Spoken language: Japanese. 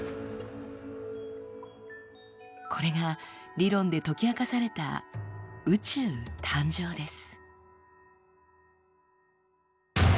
これが理論で解き明かされた宇宙誕生です。